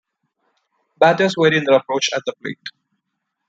Batters vary in their approach at the plate.